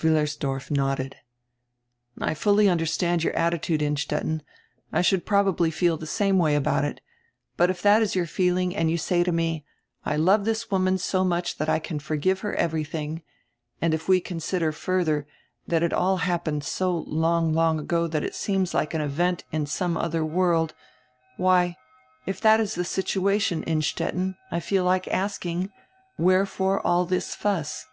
Wiillersdorf nodded. "I fully understand your attitude, Innstetten, I should probably feel tire same way ahout it. But if that is your feeling and you say to me: 'I love this woman so much that I can forgive her everything,' and if we consider, further, that it all happened so long, long ago that it seems like an event in some other world, why, if that is the situation, Innstetten, I feel like asking, wherefore all this fuss?"